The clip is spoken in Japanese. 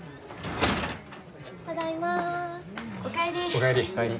お帰り。